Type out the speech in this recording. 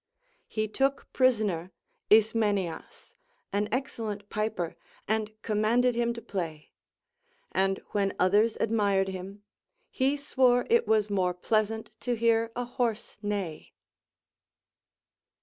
He took prisoner 190 THE APOPHTHEGMS OF KINGS Ismenias, an excellent piper, and commanded him to play ; and when others admired him, he swore it was more pleas ant to hear a horse neigh.